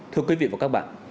thưa quý vị và các bạn